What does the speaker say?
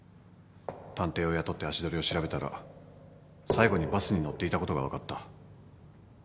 探偵を雇って足取りを調べたら最後にバスに乗っていたことが分かった。